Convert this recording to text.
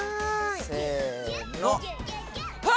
せの。